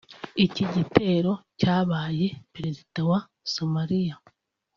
Iki gitero cyabaye Perezida wa Somalia